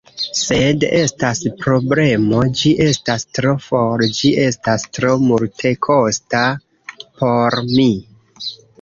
Sed estas problemo: ĝi estas tro for, ĝi estas tro multekosta por mi.